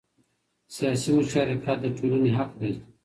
سیاسي مشارکت د ټولنې حق دی